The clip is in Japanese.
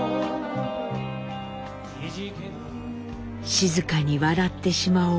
「静かに笑ってしまおう」。